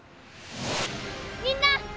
みんな！